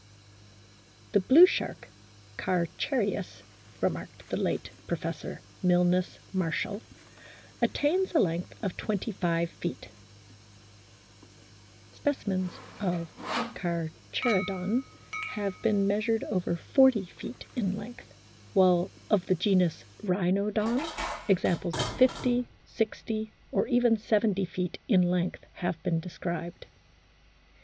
" The blue shark, Carcharias" remarked the late Professor Milnes Marshall, "attains a length of 25 feet; specimens of Carcharo don have been measured over 40 feet in length ; while of the genus Rhinodon examples of 50, 60, or even 70 feet in length have been described."